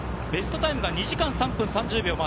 ベストタイムが２時間３分３０秒。